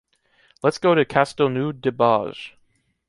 Let's go to Castellnou de Bages.